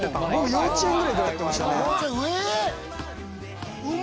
幼稚園ぐらいから、やってましたね。